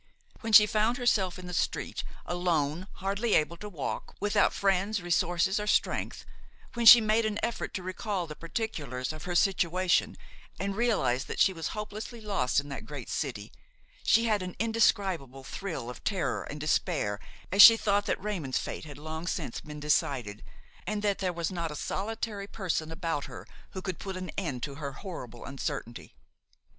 When she found herself in the street, alone, hardly able to walk, without friends, resources or strength, when she made an effort to recall the particulars of her situation and realized that she was hopelessly lost in that great city, she had an indescribable thrill of terror and despair as she thought that Raymon's fate had long since been decided and that there was not a solitary person about her who could put an end to her horrible uncertainty.